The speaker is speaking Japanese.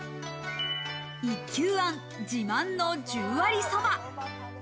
一休庵自慢の十割そば。